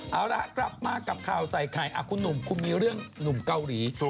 เอาะล่ะครับมากับข่าวใส่ใครอัคคุณหนุ่มคุณตัวเนี่ยเรื่องหนุ่มเกาหลี